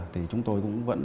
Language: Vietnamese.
thì chúng tôi cũng vẫn